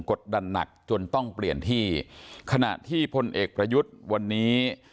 กดดันหนักจนต้องเปลี่ยนที่ขณะที่พลเอกประยุทธ์วันนี้